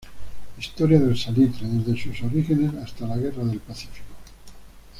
Historia del salitre, desde sus orígenes hasta la Guerra del Pacífico.